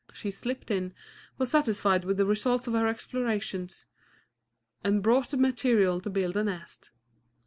She slipped in, was satisfied with the result of her explorations, and brought the materials to build a nest.